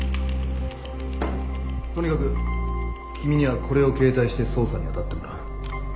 とにかく君にはこれを携帯して捜査に当たってもらう。